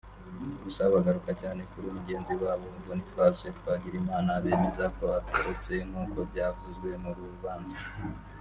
Gusa bagaruka cyane kuri mugenzi wabo Boniface Twagirimana bemeza ko atatorotse nk’uko byavuzwe mu rubanza